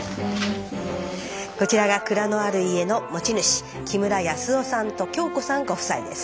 こちらが蔵のある家の持ち主木村康雄さんと恭子さんご夫妻です。